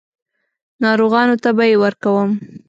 ناروغانو ته به یې ورکوم.